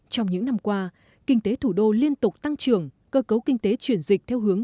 trong những năm qua kinh tế thủ đô liên tục tăng trưởng